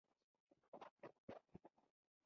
د ژمي په وروستۍ میاشت کې له ټېغنې ایستلو مخکې انتقالېږي.